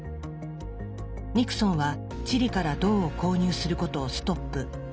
ニクソンはチリから銅を購入することをストップ。